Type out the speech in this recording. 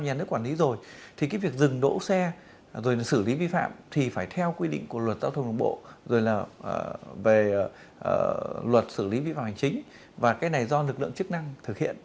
nhà nước quản lý rồi thì cái việc dừng đỗ xe rồi xử lý vi phạm thì phải theo quy định của luật giao thông đường bộ rồi là về luật xử lý vi phạm hành chính và cái này do lực lượng chức năng thực hiện